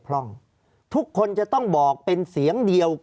ภารกิจสรรค์ภารกิจสรรค์